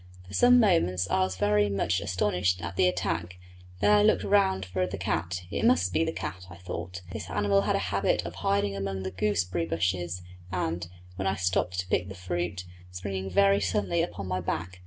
For some moments I was very much astonished at the attack; then I looked round for the cat it must be the cat, I thought. This animal had a habit of hiding among the gooseberry bushes, and, when I stooped to pick the fruit, springing very suddenly upon my back.